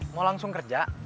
mau langsung kerja